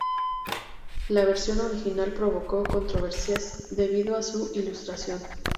La versión original provocó controversias debido a su ilustración.